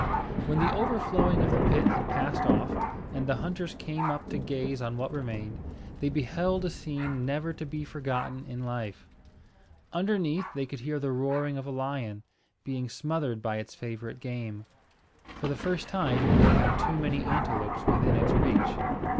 When the overflowing of the pit had passed off, and the hunters came up to gaze on what remained, they beheld a scene never to be forgotten in life. Underneath, they could hear the roaring of a lion, being smothered by its favourite game. For the first time, it had too many antelopes within its reach.